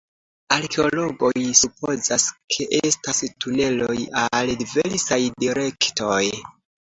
Arkeologoj supozas, ke estas tuneloj al diversaj direktoj.